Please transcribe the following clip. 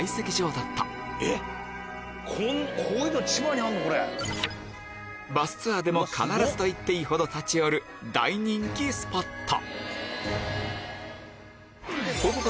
こういうの千葉にあるの⁉バスツアーでも必ずと言っていいほど立ち寄る大人気スポット